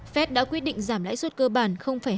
fed đã quyết định giảm lãi suất cơ bản